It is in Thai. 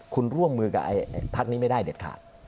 คุณร่วมมือกับพักนี้ไม่ได้เด็ดขาด